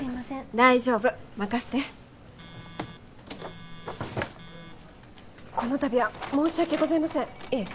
大丈夫任せてこの度は申し訳ございませんいえ